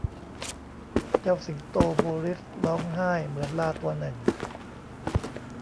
เจ้าสิงโตโบริสร้องไห้เหมือนลาตัวหนึ่ง